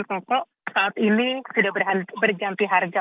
pokok pokok saat ini sudah berganti harga